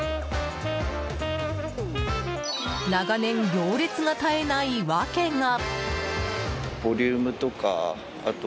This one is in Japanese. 長年、行列が絶えない訳が。